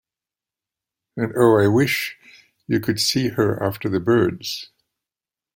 And oh, I wish you could see her after the birds!